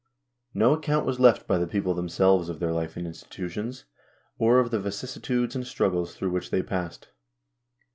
No account was left by the people themselves of their life and institutions, or of the vicissitudes and struggles through which they passed.